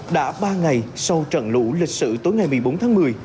đã ba ngày sau trận lũ lịch sử tối ngày một mươi bốn tháng một mươi